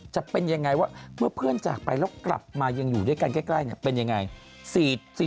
จะเป็นยังไงว่าเมื่อเพื่อนจากไปแล้วกลับมายังอยู่ด้วยกันใกล้เป็นยังไง